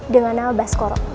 dengan al baskoro